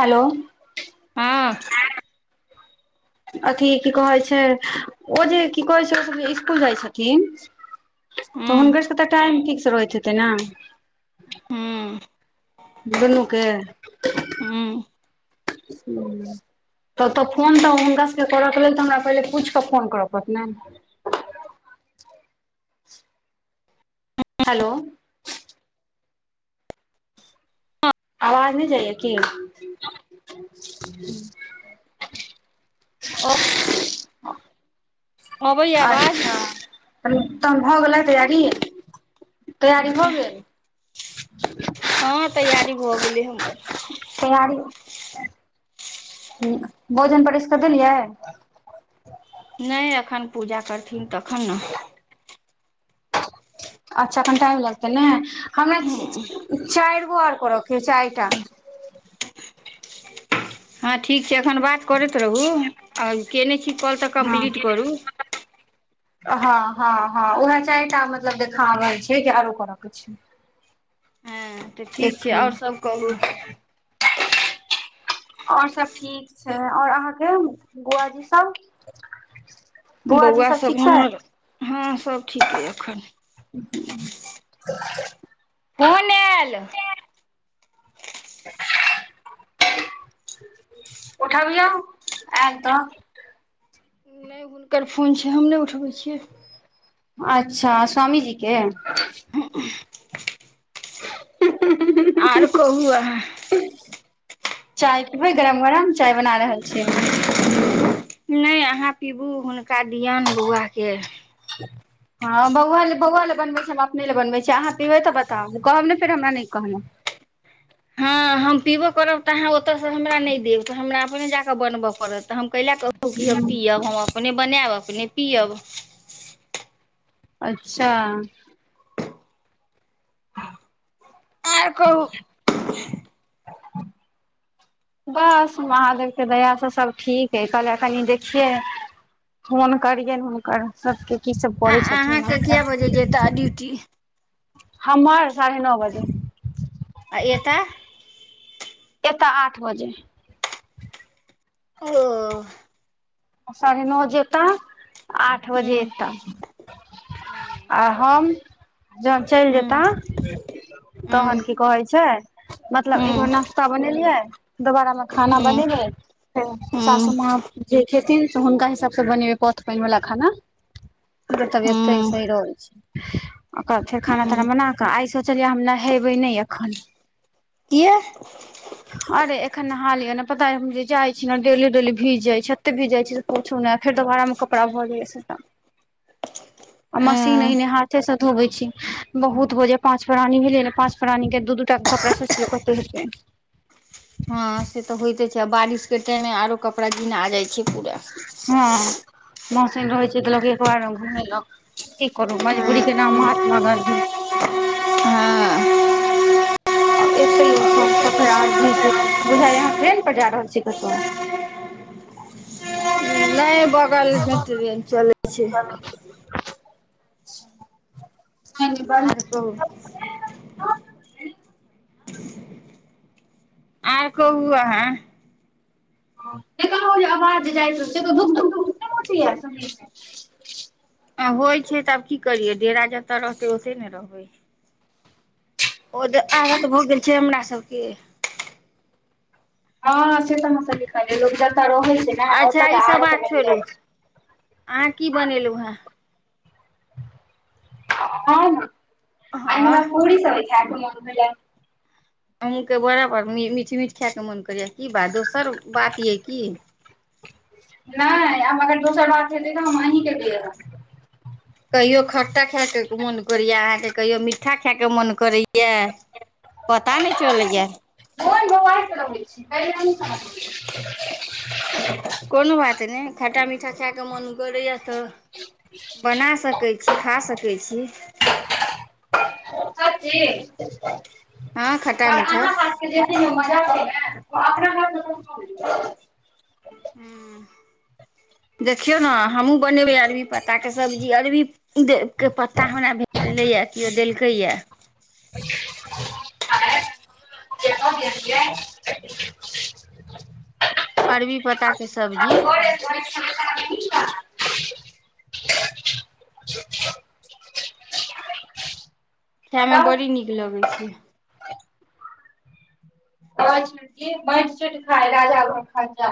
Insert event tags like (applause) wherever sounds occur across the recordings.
hello ह (inaudible) अथि की कहै छै ओ जे की कहै छै ओसभ जे स्कूल जाइ छथिन तऽ हूँ हुनकर सब तऽ टाइम फक्स रहैत हेतै न हूँ दुनूके हूँ तब तऽ फोन तऽ हुनका सभके करयके लेल तऽ हमरा पहिले पूछि कऽ फोन करय पड़त नऽ हेलो आवाज नइ जाइ य की ओ अबैय आवाज अच्छा तहन भऽ गेलै तैयारी तैयारी भऽ गेल हँ तैयारी भऽ गेलै हमर तैयारी भोजन परैस कऽ देलियै नइ एखन पूजा करथिन तखन न अच्छा कनि टाइम लागतै नै हमरा चाइर गे आर करअ कै हइ चारी टा हँ ठीक छै एखन बात करैत रहू आ कयने छी कॉल तऽ हँ कम्प्लीट करू हँ हँ हँ उएह चारि टा मतलब देखा रहल छै कि आरो करय के छै हँ तऽ ठीक छै और एखन सब कहू और सब ठीक छै और अहाँके (unintelligible) बौआ जी सब बुआजी बौआ सब ठीक छै हमर हँ सब ठीक अइ एखन (inaudible) फोन आएल उठबियौ ऐल तऽ नहि हुनकर फोन छै हम नहि उठबै छियै अच्छा स्वामी जीके (inaudible) आर कहु अहाँ चाय पीबै गरम गरम चाय बना रहल छियै हम नइ आहाँ पीबू हुनका दियौन बौआके (inaudible) हँ बौआ लए बौआ लए बनबै छै हम अपने ले बनबै छी अहाँ पीबै तऽ बताउ कहब ने फेर हमरा नइ कहलौं हँ हम पीबो करब तऽ अहाँ ओतऽसँ हमरा नहि देब तऽ हमरा अपने जाकऽ बनबऽ पड़त तऽ हम कैला कहू कि हम हूँ पियब हम अपने बनायब अपने पियब अच्छा आर कहू बस महादेवके दयासँ सभ ठीक हइ कहलियै कनी देखियै फोन करियनि हुनकर सबके की सब करै छथिन (unintelligible) टा ड्यूटी हमर साढ़े नौ बजे आ एता एता आठ बजे ओ साढ़े नओ जेता आठ बजे ह एता आ हम जहन चलि जेताह तहन की कहै छै मतलब एक बेर नाश्ता बनेलियै दोबारामे खाना बनेबै सासू माँ जे खेन से हुनका हिसाबसँ बनेबै पौथ पानि वाला खाना हुनकर तबियत तइन सही रहै छै ओकर फेर खाना ताना बना कऽ आइ सोचलियै हम नहेबै नहि एखन किये अरे एखन नहा लिय ने पता हम जे जाइ छी ने डेली डेली भीज जाइ छे अत भीज जाय छी से पुछू नहि फेर दोबारा मे कपड़ा भऽ जाइये सबटा आ मशीन अं अइ ने हाथे से धोवै छी बहुत भजाइय पाँच प्राणी भेलियै ने पाँच प्राणी के दू दू टाके कपड़ा सोच लियौ कतै हेतै हँ से तऽ होइते छै आ बारिशके टाईमे आरो कपड़ा घिना जाइ छै पूरा हँ मसिन रहै छै तऽ लोक एक बार घुमेलक की करू मजबूरी के हँ नाम महात्मा गांधी हँ आ एतै ओ सब तऽ फेर आर भीज जेतै बुझाइये अहाँ ट्रेन पर जा रहल छी कतहु बगल मे ट्रेन चलैत छै नहि (unintelligible) ने ब हूंम्म आर कहु आहाँ केकरो जे आवाज जाइ से धुक धुक धुक (unintelligible) नइ मचैय होइ छै तऽ आब की करियै डेरा जतऽ रहतै ओते ने रहबै ओजे आदत भऽ गेल छै हमरा सबके हँ से तऽ ने (unintelligible) सबिखल लोक जतऽ रहै छै ने अच्छा ओतय तऽ ई सब आरे बात नहि छोड़ू जाइ छै अहाँ की बनेलहु हेँ हम आय हँ हमरा पूरी सब्जी खाय के मोन केलक हमहुँके बड़ बर मीठ मीठ खायके मोन करैय की बात दोसर बात यइ की नहि आब अगर दोसर बात है तऽ हम अहीकेे लियै कहियो खट्टा खायएके मोन करै यऽ अहाँके कहियो मीठा खायके मोन करै य पता नइ चलैय (unintelligible) कोनो बात नइ खट्टा मीठा खाय कऽ मोन करैया तऽ बना सकै छी खा सकै छी हँ खट्टा मीठा (unintelligible) जैसे मजा करै अपना हथ हुँ देखिय ने हमहूँ बनेबे अरबी पत्ता के सब्जी अरबी दे के पत्ता हमरा भेटेलै या केओ देल के यह (inaudible) जे ल गेलियै अरबी पत्ता के सब्जी (inaudible) खायमे बड़ी नीक लगै छै (unintelligible) खाय राजा घर जा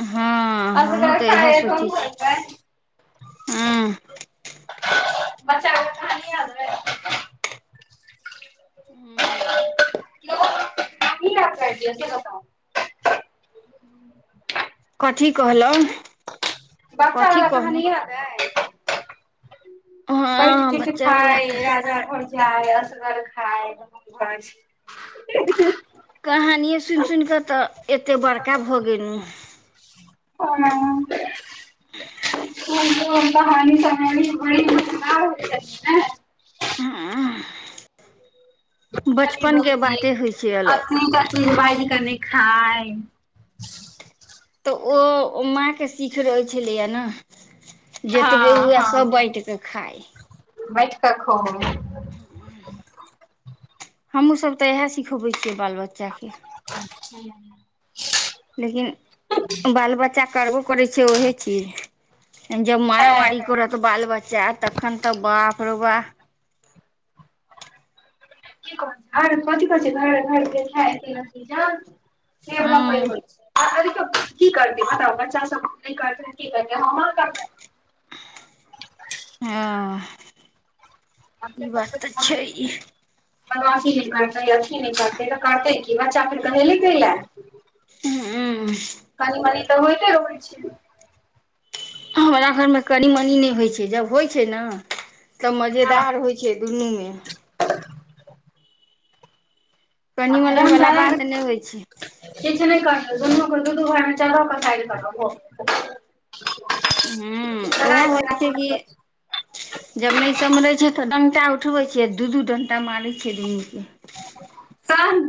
हँ अ हमहूँ कर तऽ ख कोम सर (unintelligible) हूँ बच्चा कहानीआ (unintelligible) कथी कहलहुँ कथी बच्चावला कहानी कहलहुँ याद अइ बैट हँ चिटी बच्चावला खाए या राजा घर जाइ असगर खाय त घर छै (unintelligible) कहानिये सुनि सुनिकऽ तऽ एतेक बड़का भऽ गेलहु (unintelligible) कहानी समहानी (unintelligible) (unintelligible) बचपन के बाते होइ छै अलग फिर बज कनि खाय तऽ ओ माँ के सीख रहै छलैए न जतबे हँ हुए सभ बाइट क खाइ बैट क खेलौ हन हमहूँ सब त इएह सिखबै छियै बाल बच्चाके (inaudible) लेकिन बाल बच्चा करबो करै छै ओहे चिज जब मारामारी है करत बाल बच्चा तखन तऽ बाप रौ बाप घर घरके ख (unintelligible) सेबला हूँ पहिन (unintelligible) की करतेै हटाउ बच्चा सब करते की करते हमर करते हँ ई बात त छै बदमासी नहि करतै अथी नहि करतै त करतेै की ई बच्चा फेर कहेले कइले हूँ कनी मनी तऽ होइते रहै छै हमरा घरमे कनि मनी नहि होइ छै जब होइ छै न तऽ हँ मजेदार होइत छै दुनूमे कनि मनी वाला बात नहि होइ छै से तऽ नहि करना दुनू द दुनू घरमे (unintelligible) साइड कर हूँ उएह करार ल होइ छै कि कोनो जब नहि संभरै छै तऽ डंटा उठबै छियै दू दू डंटा मारै छियै दुनू के तहन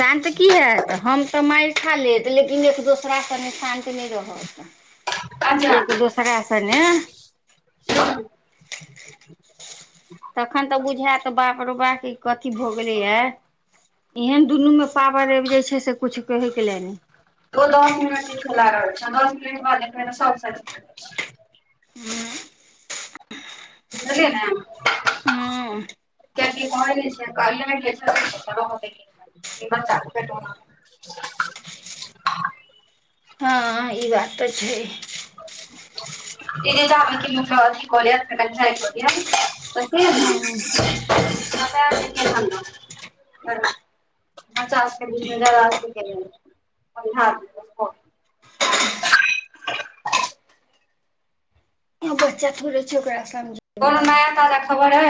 शानत की हयत हम तऽ मारि खा लेत लेकिन एक दोसरा से नि शान्त नहि रह हँ तऽ एक अच्छा दोसरा अस ने हँ (inaudible) तखन तऽ बुझायत बाप रौ बा के कथी भऽ गेलैये एहन दुनू मे पावर आइब जाइ छै से कुछु कहै के नहि ओ दस मिनट ले चला (unintelligible) रहल छै दस मिनट बाद सा सुतले हे त हँ क कहन छै प्लमेट होत (inaudible) ई बच्चा के पेट ने (inaudible) हँ ई बात तऽ छै (inaudible) इंतजार कि मुथ कहल आक आइकत त से हँ नहि (unintelligible) आन (inaudible) बच्चा सबके बिचमे झगरा (unintelligible) बच्चा थोड़े छै ओकरा समझ कोनो नया ताजा खबर है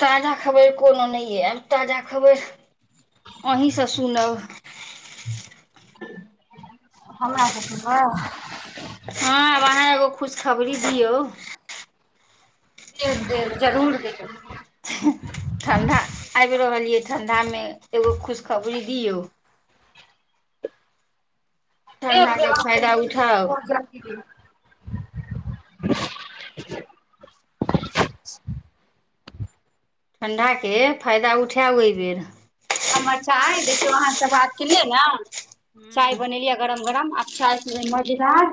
ताजा खबेर कोनो नहि ये आब ताजा खबेर अहीसँ सुनब हमरा सँ सुनबै हँ आब अहाँ एगो खुश खबरी दियौ देब देब जरूर दे देब ठंडा आबि रहल ये ठंडा मे एगो खुशखबरी दियौ एक बेर ठण्ढाके अहाँ फायदा उठाउ टेंशन (unintelligible) ठण्डाके फायदा उठायब ओहि बेर हमर चाय देखियौ अहाँ से बात केलियै ने चाय हूँ बनेलिये गरम गरम अआब चाय पीबै मजेदार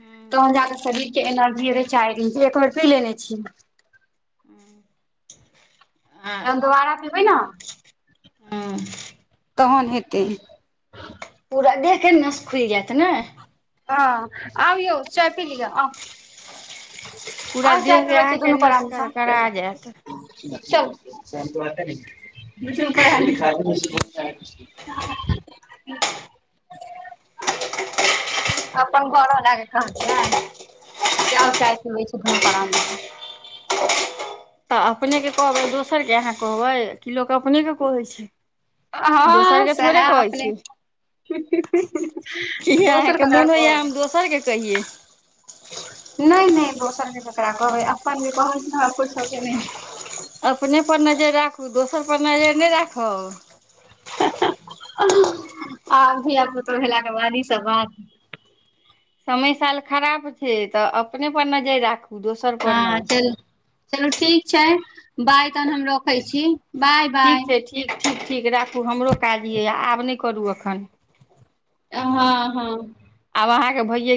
हूँ तहन जाके शरीर के एनर्जी एतै चाइ दिन एक बेर पी लेने छीयै आ जहन दोबारा पीबै न हूँ तहन हेतै पूरा देहके नस खुल जायत ने हँ आउ यौ चाय पी लिय आउ पूरा आउ चाइ देहके पीबै छी अहाँके दुनू नस परानी सँ करकरा जायत चौ (unintelligible) द रप ख (unintelligible) अपन घर वाला के कहलियै होइ छै दुनू प्राणी तऽ अपनेकेँ कहबै दोसरके अहाँ कहबै की लोक अपनेकेँ कहै छै अहाँ दोसर के थोड़े कहै छी की दोसर अहाँके ककरा मोन होइया कहबै हम दोसर के कहि नहि नहि दोसर के ककरा कहबै अपन जे कहैयै से तऽ फुर्सत नहि अपने पर नजेरि राखूँ दोसर पर नजर नहि राखब धिया पुता भेला के बाद ई सब गाँव समय साल खराब छै तऽ अपने पर नजर राखू दोसर पर हँ नहि चलू चलू ठीक छै बाइ तहन हम रखै छी बाय ठीक बाय छै ठीक ठीक ठीक राखूँ हमरो काज अइ आब नहि करू एखन हँ हँ आब अहाँ के भैये गेल